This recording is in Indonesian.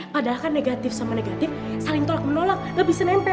padahal kan negatif sama negatif saling tolak menolak gak bisa nempel